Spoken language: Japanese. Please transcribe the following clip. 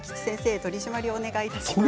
取締りをお願いします。